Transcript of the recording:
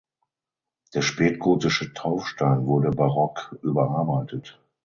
Der spätgotische Taufstein wurde barock überarbeitet.